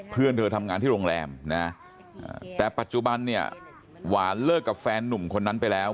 เพื่อนเธอทำงานที่โรงแรมนะแต่ปัจจุบันเนี่ยหวานเลิกกับแฟนนุ่มคนนั้นไปแล้ว